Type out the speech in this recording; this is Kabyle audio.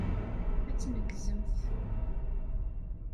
Ad tneggzemt.